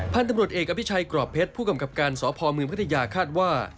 พันธุ์ตำรวจเอกอภิชัยกรอบเพชรผู้กำกับการสพเมืองพัทยาคาดว่า